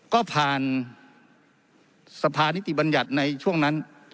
ก็ผ่านสภานิติบัญญัติในช่วงนั้น